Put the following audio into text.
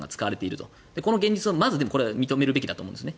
まずこの現実を認めるべきだと思うんです。